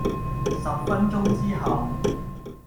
十分鐘之後